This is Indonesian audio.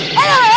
ayak kau stop lah